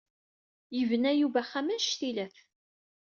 Yebna Yuba axxam annect ilat.